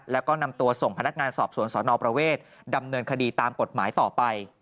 แล้วก็นำตัวส่งพนักงานสอบสวนสนประเวทดำเนินคดีตามกฎหมายต่อไป